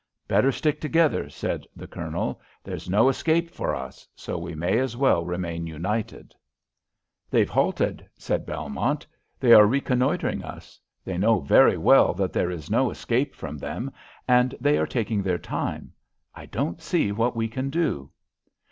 "Better stick together," said the Colonel. "There's no escape for us, so we may as well remain united." "They've halted," said Belmont. "They are reconnoitring us. They know very well that there is no escape from them, and they are taking their time. I don't see what we can do."